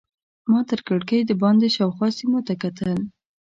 ما تر کړکۍ دباندې شاوخوا سیمو ته کتل.